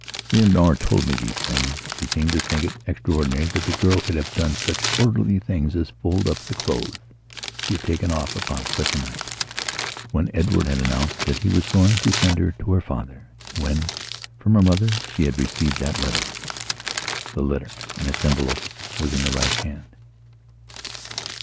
Leonora told me these things. She seemed to think it extraordinary that the girl could have done such orderly things as fold up the clothes she had taken off upon such a nightwhen Edward had announced that he was going to send her to her father, and when, from her mother, she had received that letter. The letter, in its envelope, was in her right hand.